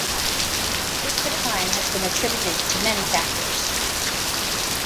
This decline has been attributed to many factors.